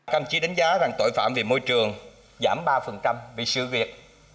căm chí đánh giá rằng tội phạm về môi trường giảm ba vì sự việc